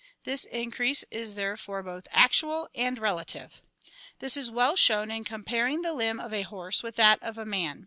This increase is therefore both 302 ORGANIC EVOLUTION actual and relative. This is well shown in comparing the limb of a horse with that of a man (PI.